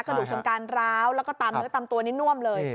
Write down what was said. กระดูกเชิงการร้าวแล้วก็ตำตัวนิดนึ่งน่วมเลย